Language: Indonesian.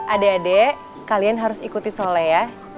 adek adek kalian harus ikuti soleh ya